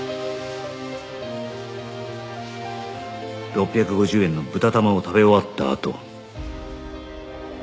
６５０円の豚玉を食べ終わったあと